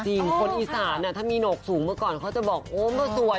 คนอีสานถ้ามีหนกสูงเมื่อก่อนเขาจะบอกโอ้เมื่อสวย